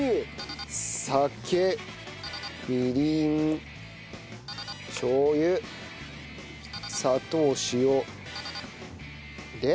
酒みりんしょう油砂糖塩。で？